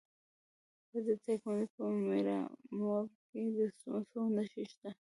د دایکنډي په میرامور کې د مسو نښې شته.